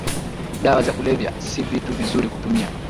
Dawa za kulevya si vitu vizuri kutumia